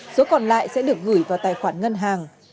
số còn lại sẽ được gửi vào tài khoản ngân hàng